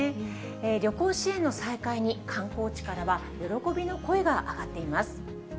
旅行支援の再開に、観光地からは喜びの声が上がっています。